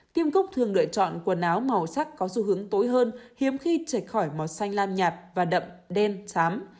tìm cúc thường lựa chọn quần áo màu sắc có xu hướng tối hơn hiếm khi trải khỏi màu xanh lam nhạt và đậm đen xám